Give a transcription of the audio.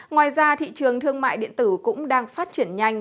ngoài ra thị trường thương mại điện tử cũng đang phát triển nhanh